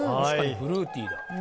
確かにフルーティーだ。